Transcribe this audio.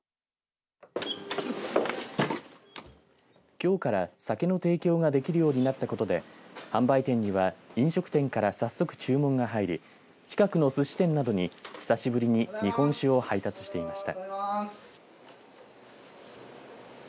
きょうから酒の提供ができるようになったことで販売店には飲食店から早速注文が入り近くのすし店などに久しぶりに日本酒を配達していました。